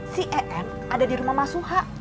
si en ada di rumah mas suha